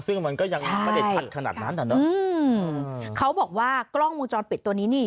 ซึ่งมันก็ยังไม่ได้พัดขนาดนั้นอืมเขาบอกว่ากล้องมุมจรปิดตัวนี้